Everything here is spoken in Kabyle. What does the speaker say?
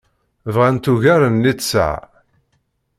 Bɣant ugar n littseɛ.